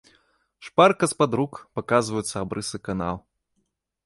Шпарка з-пад рук паказваюцца абрысы канаў.